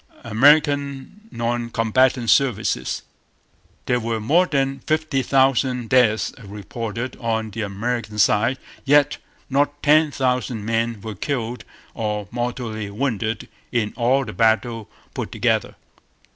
American Non Combatant Services. There were more than fifty thousand deaths reported on the American side; yet not ten thousand men were killed or mortally wounded in all the battles put together.